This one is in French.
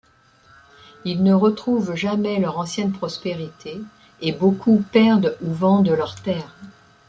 Ils ne retrouvent jamais leur ancienne prospérité et beaucoup perdent ou vendent leurs terres.